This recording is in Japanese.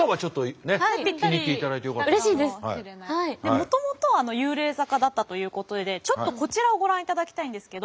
もともとは幽霊坂だったということでちょっとこちらをご覧いただきたいんですけど。